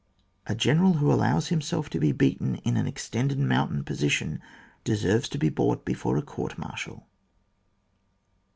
A general who allows himself to be beaten in an extended mountain position deserves to be brought before a court martial.